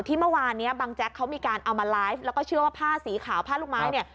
เมื่อวานนี้บังแจ๊กเขามีการเอามาไลฟ์แล้วก็เชื่อว่าผ้าสีขาวผ้าลูกไม้เนี่ย